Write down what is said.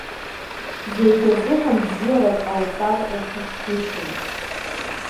Зегьы рзыҳәан бзиарак ҟалҵар лҭахгәышьан.